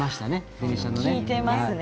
電車もね。